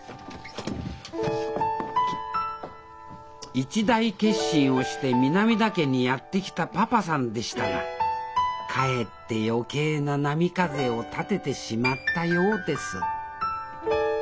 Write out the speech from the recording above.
一大決心をして南田家にやって来たパパさんでしたがかえって余計な波風を立ててしまったようです